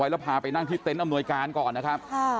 อยากจะเห็นว่าลูกเป็นยังไงอยากจะเห็นว่าลูกเป็นยังไง